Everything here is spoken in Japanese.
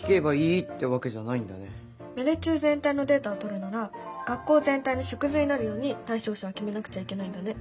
芽出中全体のデータをとるなら学校全体の縮図になるように対象者を決めなくちゃいけないんだね。